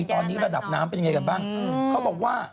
ตอนนี้ระดับน้ำเป็นยังไงกันบ้างเขาบอกว่า